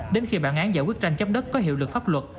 đến khi bản án giải quyết tranh chấp đất có hiệu lực pháp luật